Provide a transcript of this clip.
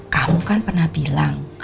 kamu kan pernah bilang